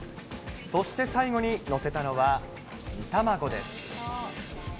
そして最後に載せたのは、煮卵です。